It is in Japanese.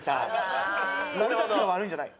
「俺たちが悪いんじゃない。